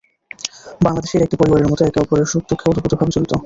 বাংলাদেশিরা একটি পরিবারের মতো একে অপরের সুখে দুঃখে ওতপ্রোত ভাবে জড়িত।